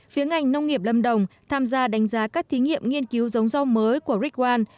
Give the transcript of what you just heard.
phía ngành nông nghiệp lâm đồng tham gia đánh giá các thí nghiệm nghiên cứu giống rau mới của rick one